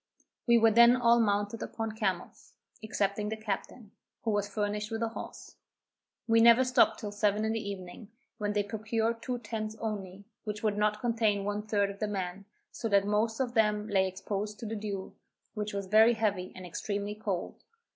We were then all mounted upon camels, excepting the captain, who was furnished with a horse. We never stopped till seven in the evening, when they procured two tents only, which would not contain one third of the men, so that most of them lay exposed to the dew, which was very heavy, and extremely cold.